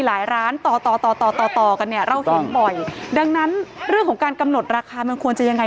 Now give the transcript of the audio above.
หลายร้านต่อกันเนี่ยเราเห็นบ่อยดังนั้นเรื่องของการกำหนดราคามันควรจะยังไง